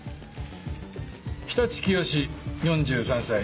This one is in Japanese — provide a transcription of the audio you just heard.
常陸潔４３歳。